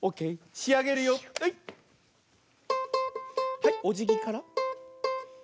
はいおじぎから。